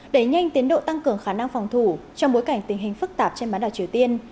đẩy nhanh tiến độ tăng cường khả năng phòng thủ trong bối cảnh tình hình phức tạp trên bán đảo triều tiên